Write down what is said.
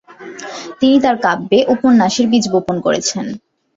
তিনি তার কাব্যে উপন্যাসের বীজ বপন করেছেন।